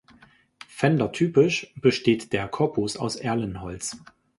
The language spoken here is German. Fender-typisch besteht der Korpus aus Erlenholz.